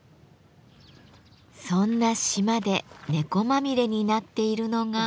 そんな島で猫まみれになっているのが。